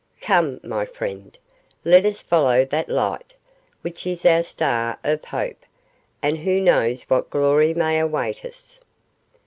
Come, my friend, let us follow that light, which is our star of hope, and who knows what glory may await us.